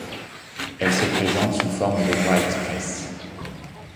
Elle se présente sous forme de Voie express.